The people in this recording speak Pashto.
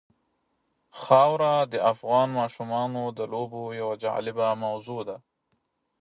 خاوره د افغان ماشومانو د لوبو یوه جالبه موضوع ده.